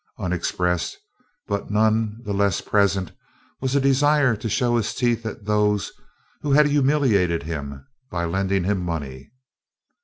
Unexpressed, but none the less present, was a desire to show his teeth at those who had humiliated him by lending him money.